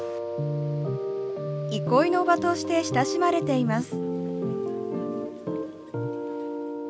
憩いの場として親しまれています。